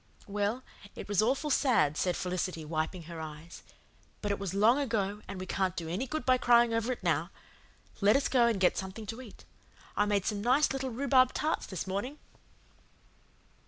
"Well, it was awful said," said Felicity, wiping her eyes. "But it was long ago and we can't do any good by crying over it now. Let us go and get something to eat. I made some nice little rhubarb tarts this morning."